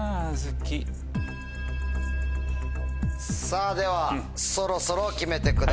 さぁではそろそろ決めてください。